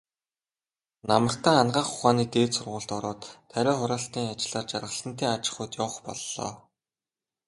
Намартаа Анагаах ухааны дээд сургуульд ороод, тариа хураалтын ажлаар Жаргалантын аж ахуйд явах боллоо.